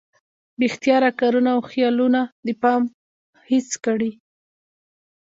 بې اختياره کارونه او خيالونه د پامه هېڅ کړي